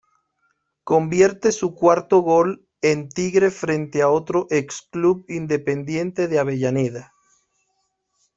Convierte su cuarto gol en tigre frente a otro ex club Independiente de Avellaneda.